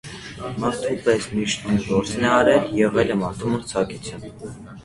Մարդու պես միշտ նույն որսն է արել, եղել է մարդու մրցակիցը։